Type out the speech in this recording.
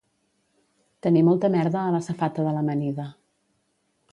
Tenir molta merda a la safata de l'amanida